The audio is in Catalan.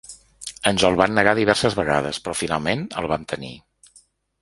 Ens el van negar diverses vegades, però finalment, el vam tenir.